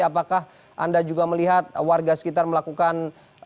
apakah anda juga melihat warga sekitar melakukan